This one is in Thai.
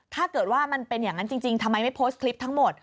ถ้าเกิดว่ามันเป็นอย่างนั้นจริงทำไมไม่โพสต์คลิปทั้งหมด